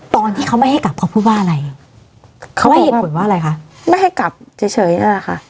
ตอนที่เขาไม่ให้กลับเขาพูดว่าอะไรเขาให้เหตุผลว่าอะไรคะไม่ให้กลับเฉยเฉยนั่นแหละค่ะ